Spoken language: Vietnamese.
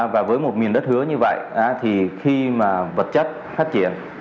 và với một miền đất hứa như vậy thì khi mà vật chất phát triển